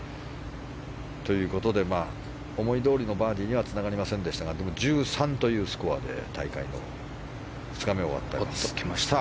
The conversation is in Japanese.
思いどおりのバーディーにはつながりませんでしたが１３というスコアで大会の２日目を終えました。